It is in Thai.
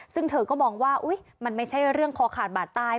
ซึ่งเธอก็มองว่ามันไม่ใช่เรื่องคอขาดบาดตาย